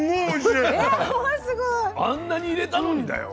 あんなに入れたのにだよ。